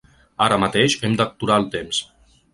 Ara mateix hem d’aturar el temps.